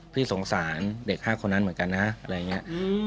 พี่สงสารเด็ก๕คนนั้นเหมือนกันนะอะไรอย่างนี้